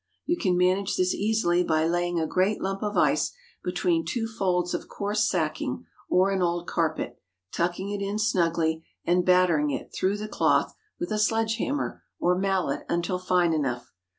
You can manage this easily by laying a great lump of ice between two folds of coarse sacking or an old carpet, tucking it in snugly, and battering it, through the cloth, with a sledge hammer or mallet until fine enough.